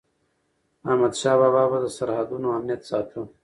احمدشاه بابا به د سرحدونو امنیت ساته.